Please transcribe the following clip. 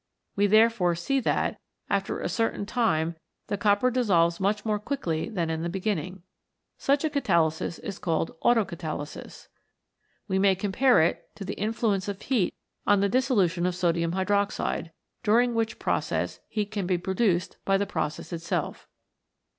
We therefore see that, after a certain time, the copper dissolves much more quickly than in the beginning. Such a catalysis is called Autocatalysis. We may compare it to the influence of heat on the dissolution of sodium hydroxide, during which process heat can be produced by the process itself.